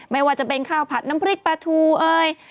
ไม่ว่าจะเป็นข้าวผัดน้ำพริกปลาทูเอ่ย